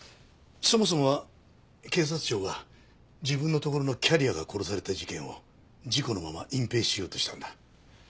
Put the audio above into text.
そもそもは警察庁が自分のところのキャリアが殺された事件を事故のまま隠蔽しようとしたんだ。